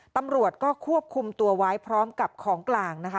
ตำรวจก็ควบคุมตัวไว้พร้อมกับของกลางนะคะ